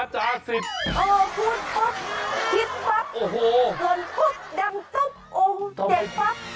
เจนผุปดอมทุกองค์เจ็ดปั๊ป